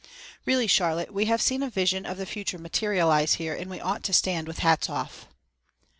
Really, Charlotte, we have seen a vision of the future materialize here and we ought to stand with hats off."